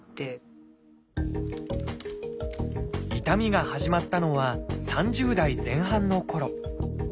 痛みが始まったのは３０代前半のころ。